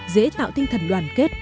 dễ tạo tinh thần đoàn kết